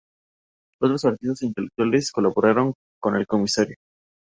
Otros artistas e intelectuales colaboraron con el Comisariado.